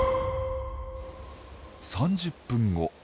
３０分後。